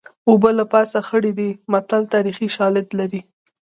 اوبه له پاسه خړې دي متل تاریخي شالید لري